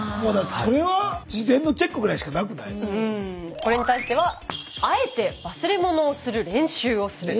これに対しては「あえて忘れ物をする練習をする」。